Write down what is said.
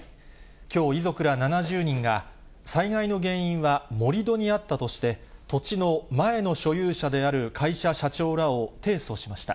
きょう、遺族ら７０人が、災害の原因は盛り土にあったとして、土地の前の所有者である会社社長らを提訴しました。